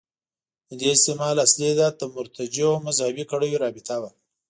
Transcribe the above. د دې استعمال اصلي علت د مرتجعو مذهبي کړیو رابطه وه.